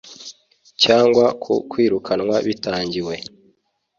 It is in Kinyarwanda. cyangwa ku kwirukanwa bitangiwe